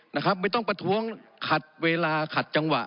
นะครับไม่ต้องประท้วงขัดเวลาขัดจังหวะ